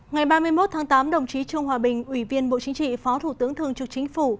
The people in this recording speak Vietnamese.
ngày ba mươi một tháng tám đồng chí trương hòa bình ủy viên bộ chính trị phó thủ tướng thường trực chính phủ